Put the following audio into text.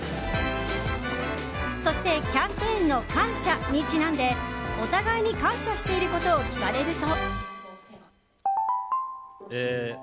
そしてキャンペーンの感謝にちなんでお互いに感謝していることを聞かれると。